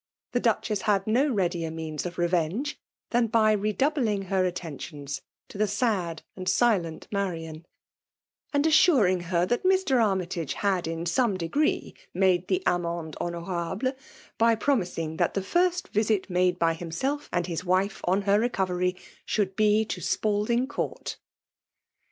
» the Duchess had no readier means of revenge than by redoubling her attentions to the sad and silent Marian ; and assuring her that Mr. Armytage had in some d^;ree made the amende honourable^ by promising that the first visit made by himself and his wife on her recovery^ should be to Spalding Court.